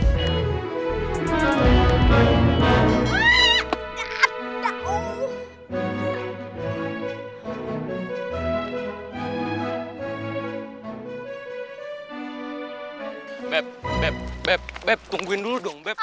beb beb beb tungguin dulu dong beb